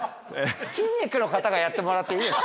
筋肉の方がやってもらっていい？